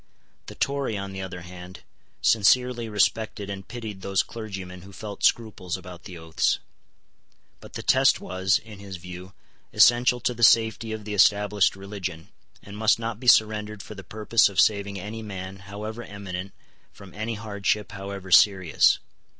The Tory, on the other hand, sincerely respected and pitied those clergymen who felt scruples about the oaths. But the Test was, in his view, essential to the safety of the established religion, and must not be surrendered for the purpose of saving any man however eminent from any hardship however serious.